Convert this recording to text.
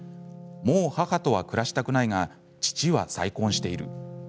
もう、母とは暮らしたくないが父は再婚している。